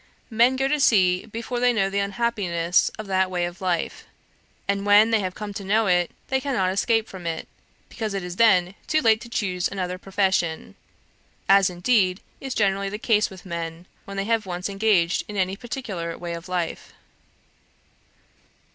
Men go to sea, before they know the unhappiness of that way of life; and when they have come to know it, they cannot escape from it, because it is then too late to choose another profession; as indeed is generally the case with men, when they have once engaged in any particular way of life.'